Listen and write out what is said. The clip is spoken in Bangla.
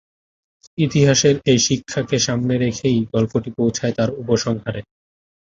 ইতিহাসের এই শিক্ষাকে সামনে রেখেই গল্পটি পৌঁছায় তার উপসংহারে।